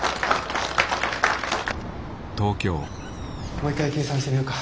もう一回計算してみようか。